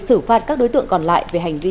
xử phạt các đối tượng còn lại về hành vi